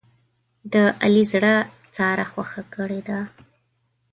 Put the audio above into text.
د علي زړه ساره خوښه کړې ده.